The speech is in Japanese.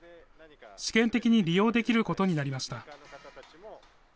試験的に利用できることになりました。